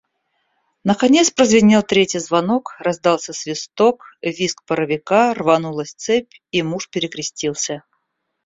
Наконец прозвенел третий звонок, раздался свисток, визг паровика, рванулась цепь, и муж перекрестился.